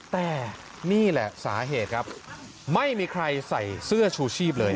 แต่นี่แหละสาเหตุครับไม่มีใครใส่เสื้อชูชีพเลย